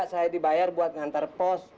saya dibayar buat ngantar pos